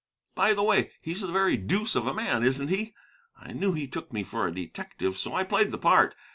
By the way, he's the very deuce of a man, isn't he? I knew he took me for a detective, so I played the part.